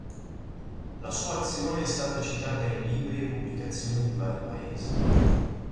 La sua azione è stata citata in libri e pubblicazioni di vari Paesi.